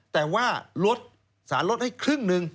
แต่ว่าลดสารลดให้ครึ่งหนึ่ง